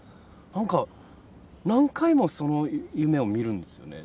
何か何回もその夢を見るんですよね。